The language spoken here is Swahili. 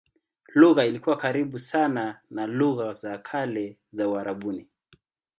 Lugha ilikuwa karibu sana na lugha za kale za Uarabuni.